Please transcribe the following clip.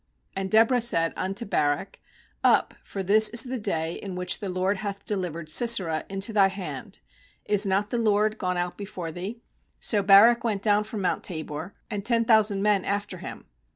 14And Deborah said unto Barak: 'Up; for this is the day in which the LORD hath delivered Sisera into thy 297 4.14 JUDGES hand: is not the LORD gone out before thee?' So Barak went down from mount Tabor, and ten thousand men after him.